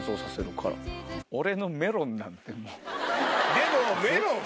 でも。